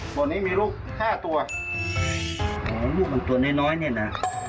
ตรงนี้มีลูกห้าตัวโอ้ยลูกมันตัวน้อยน้อยเนี้ยนะ